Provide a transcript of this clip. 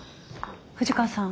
藤川さん